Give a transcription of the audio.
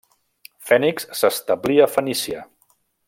Fènix s'establí a Fenícia.